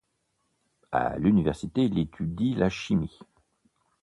À l'université, il étudie la chimie.